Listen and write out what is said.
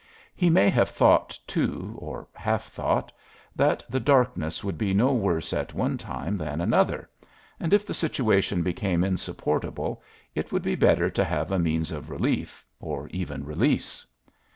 He may have thought, too, or half thought, that the darkness would be no worse at one time than another, and if the situation became insupportable it would be better to have a means of relief, or even release.